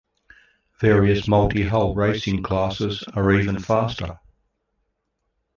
Various multi-hull racing classes are even faster.